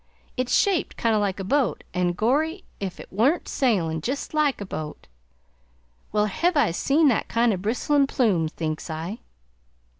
It's shaped kind o' like a boat, an' gorry, ef it wa'nt sailin' jest like a boat! Where hev I seen that kind of a bristlin' plume?' thinks I."